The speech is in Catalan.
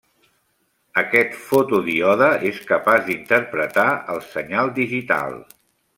Aquest fotodíode és capaç d'interpretar el senyal digital.